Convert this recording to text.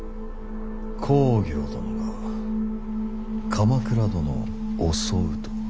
公暁殿が鎌倉殿を襲うと。